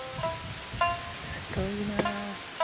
すごいな。